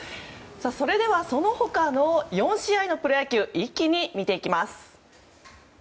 それでは、その他の４試合のプロ野球を一気に見ていきます。